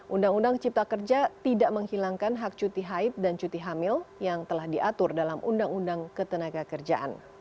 undang undang cipta kerja tidak menghilangkan hak cuti haid dan cuti hamil yang telah diatur dalam undang undang ketenaga kerjaan